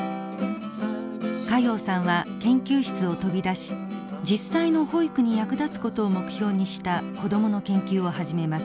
加用さんは研究室を飛び出し実際の保育に役立つことを目標にした子供の研究を始めます。